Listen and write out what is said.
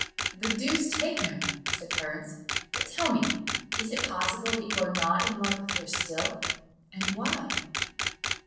"The deuce take him!" said Clarence: "but tell me, is it possible that you are not in love with her still? and why?"